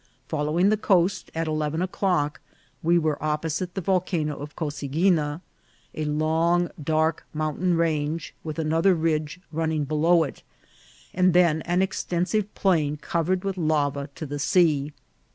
Following the coast, at eleven o'clock we were opposite the Volcano of Cosaguina, a long, dark mountain range, with another ridge running below it, and then an extensive plain covered with lava to the sea.